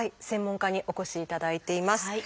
専門家にお越しいただいています。